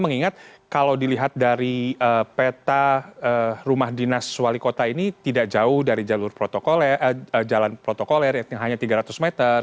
mengingat kalau dilihat dari peta rumah dinas wali kota ini tidak jauh dari jalan protokoler yang hanya tiga ratus meter